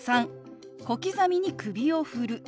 ３小刻みに首を振る。